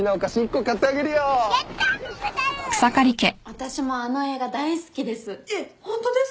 私もあの映画大好きです。